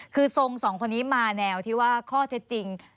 คือทรงสองคนนี้มาแนวที่ว่าข้อเท็จจริง